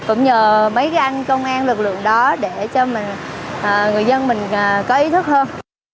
cũng nhờ mấy cái anh công an lực lượng đó để cho người dân mình có ý thức hơn